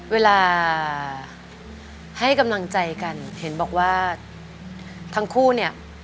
เวลาให้กำลังใจกันเห็นบอกว่าทั้งคู่เนี่ย